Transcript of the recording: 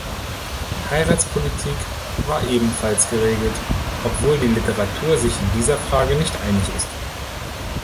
Heiratspolitik war ebenfalls geregelt, obwohl die Literatur sich in dieser Frage nicht einig ist.